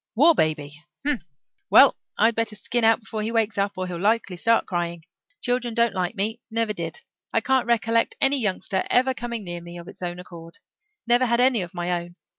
"War baby! Humph! Well, I'd better skin out before he wakes up or he'll likely start crying. Children don't like me never did. I can't recollect any youngster ever coming near me of its own accord. Never had any of my own.